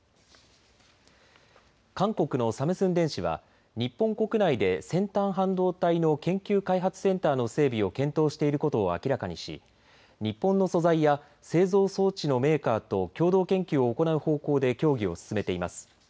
韓国のサムスン電子は日本国内で先端半導体の研究開発センターの整備を検討していることを明らかにし日本の素材や製造装置のメーカーと共同研究を行う方向で協議を進めています。